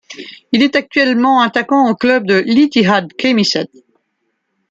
Il est actuellement attaquant au club de l'Ittihad Khémisset.